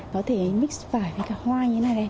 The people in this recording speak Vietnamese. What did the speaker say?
có thể mich vải với cả hoa như thế này này